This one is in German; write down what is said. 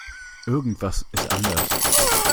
Irgendwas ist anders.